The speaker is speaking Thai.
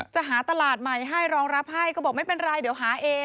จะหาตลาดใหม่ให้รองรับให้ก็บอกไม่เป็นไรเดี๋ยวหาเอง